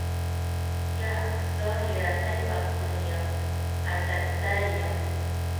یا، زه هراتۍ پښتون یم، اڅګزی یم.